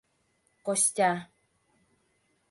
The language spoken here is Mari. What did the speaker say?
Костя...